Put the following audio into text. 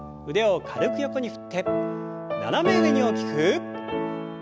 腕を軽く横に振って斜め上に大きく。